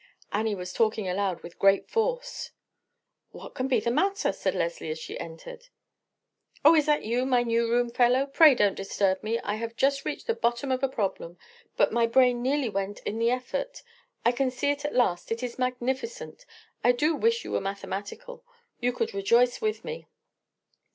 Annie was talking aloud with great force. "What can be the matter?" said Leslie as she entered. "Oh, is that you, my new roomfellow? Pray don't disturb me. I have just reached the bottom of a problem; but my brain nearly went in the effort. I see it at last; it is magnificent. I do wish you were mathematical; you could rejoice with me."